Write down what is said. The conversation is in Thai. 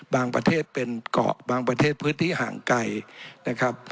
ประเทศเป็นเกาะบางประเทศพื้นที่ห่างไกลนะครับ